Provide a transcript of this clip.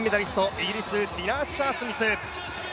イギリスのディナ・アッシャー・スミス。